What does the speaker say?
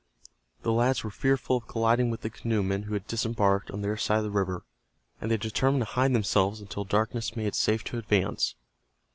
The lads were fearful of colliding with the canoemen who had disembarked on their side of the river, and they determined to hide themselves until darkness made it safe to advance.